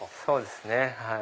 そうですね。